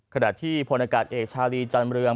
ขณะที่พลอากาศเอกชาลีจันเมือง